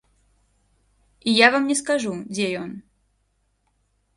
І я вам не скажу, дзе ён.